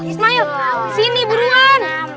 ismail sini buruan